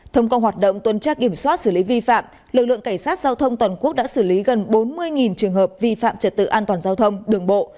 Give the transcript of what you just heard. thông công hoạt động tuân trác kiểm soát xử lý vi phạm lực lượng cảnh sát giao thông toàn quốc đã xử lý gần bốn mươi trường hợp vi phạm trật tự an toàn giao thông đường bộ